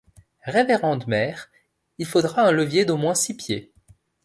Révérende mère, il faudra un levier d’au moins six pieds.